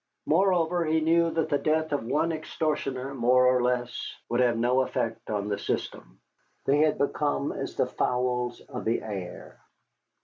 Moreover, he knew that the death of one extortioner more or less would have no effect on the system. They had become as the fowls of the air.